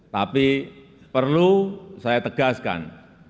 tapi perlu saya tegaskan